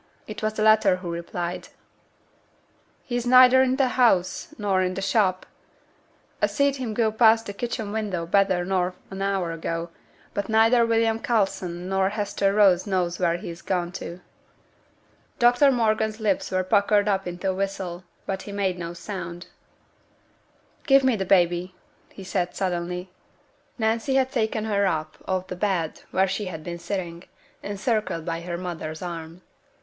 It was the latter who replied, 'He's neither i' t' house nor i' t' shop. A seed him go past t' kitchen window better nor an hour ago; but neither William Coulson or Hester Rose knows where he's gone to. Dr Morgan's lips were puckered up into a whistle, but he made no sound. 'Give me baby!' he said, suddenly. Nancy had taken her up off the bed where she had been sitting, encircled by her mother's arm.